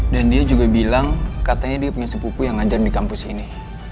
dan dia juga bilang katanya dia punya sepupu yang ngajar di kampus ini